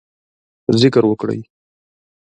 ذکر وکړئ